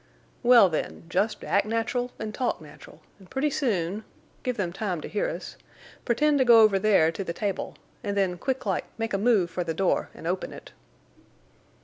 "Well then, just act natural an' talk natural, an' pretty soon—give them time to hear us—pretend to go over there to the table, en' then quick like make a move for the door en' open it."